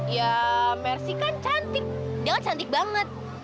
ya mercy kan cantik dia kan cantik banget